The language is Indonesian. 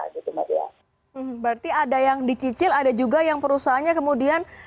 berarti ada yang dicicil ada juga yang perusahaannya kemudian